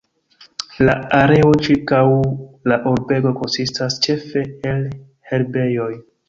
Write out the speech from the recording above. La areo ĉirkaŭ la urbego konsistas ĉefe el herbejoj.